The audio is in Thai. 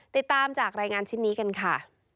ติดตามจากรายงานชิ้นนี้กันค่ะ